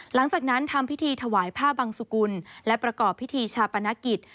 หลังจากนั้นทำพิธีถวายผ้าบังสุกุลและประกอบพิธีชาปนกิจ